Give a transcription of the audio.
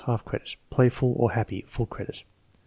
(Half credit.) "Playful" or "happy." (Full credit.)